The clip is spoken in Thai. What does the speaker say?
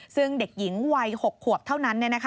ซึ่งเด็กหญิงวัย๖ขวบเท่านั้น